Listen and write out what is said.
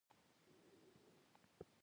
شین چای د پښتنو د میلمستیا پیل دی.